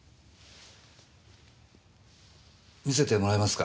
観せてもらえますか？